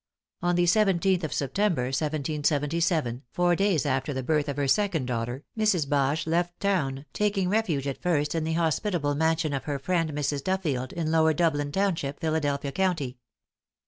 On the 17th of September, 1777, four days after the birth of her second daughter, Mrs. Bache left town, taking refuge at first in the hospitable mansion of her friend Mrs. Duffield, in Lower Dublin Township, Philadelphia County.